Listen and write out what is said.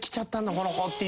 この子っていう。